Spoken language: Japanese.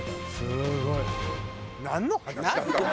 すごい。